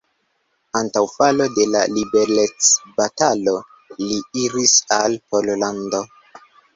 Antaŭ falo de la liberecbatalo li iris al Pollando.